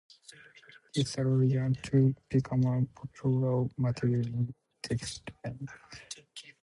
This allowed rayon to become a popular raw material in textiles.